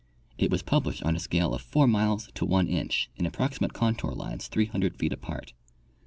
It was published on a scale of 4 miles to 1 inch in approximate contour lines 300 feet apart.